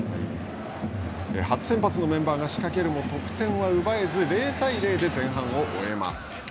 初先発のメンバーが仕掛けるも得点は奪えず０対０で前半を終えます。